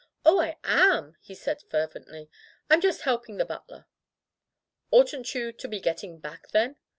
"Oh, I am!" he said fervently. "Fm just helping the butler.'* "Oughtn't you to be getting back, then?"